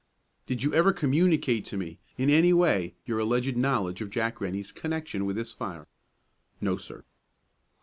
"Did you ever communicate to me, in any way, your alleged knowledge of Jack Rennie's connection with this fire?" "No, sir."